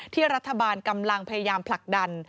รัฐบาลกำลังพยายามผลักดัน